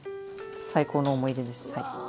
最高の思い出です。